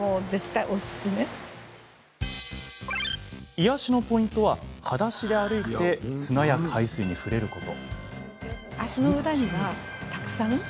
癒やしのポイントははだしで歩いて砂や海水に触れること。